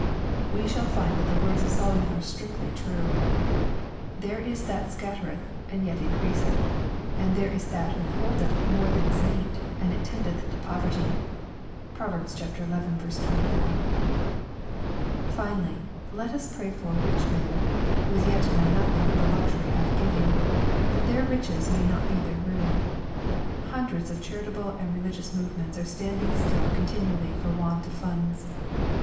We shall find that the words of Solomon are strictly true :" There is that scattereth and yet increaseth : and there is that withholdeth more than is meet, and it tendeth to poverty." (Prov. xi. 24.) Finally, let us pray for rich men, who as yet know nothing of the luxury of " giving," that their riches may not be their ruin. Hundreds of charitable and religious movements are standing still continually for want of funds.